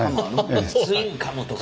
ツインカムとか。